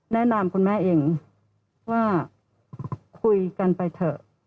แนะนำคุณแม่เองว่าคุยกันไปเถอะ